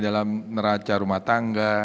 dalam neraca rumah tangga